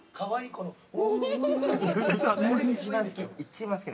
これ一番好き。